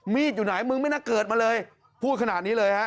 อยู่ไหนมึงไม่น่าเกิดมาเลยพูดขนาดนี้เลยฮะ